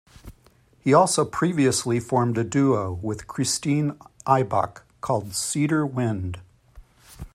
He also previously formed a duo with Christine Ibach called Cedar Wind.